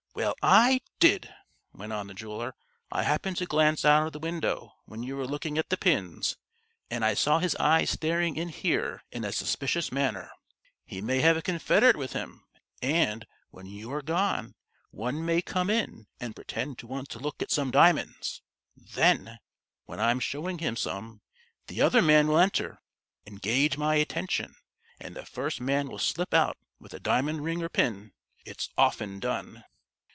"Well I did," went on the jeweler. "I happened to glance out of the window when you were looking at the pins, and I saw his eyes staring in here in a suspicious manner. He may have a confederate with him, and, when you're gone, one may come in, and pretend to want to look at some diamonds. Then, when I'm showing him some, the other man will enter, engage my attention, and the first man will slip out with a diamond ring or pin. It's often done."